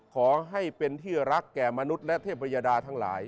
ขอให้เป็นที่รักแก่มนุษย์และเทพยดาทั้งหลาย